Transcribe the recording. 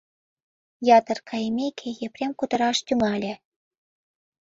Ятыр кайымеке, Епрем кутыраш тӱҥале.